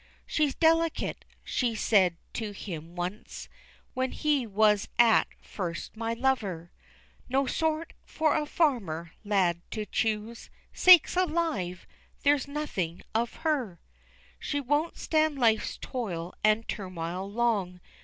"She's delicate," she said to him once When he was at first my lover, "No sort for a farmer lad to choose, Sakes alive! there's nothing of her." "She won't stand life's toil and turmoil long!"